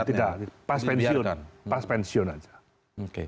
oh tidak pas pensiun pas pensiun aja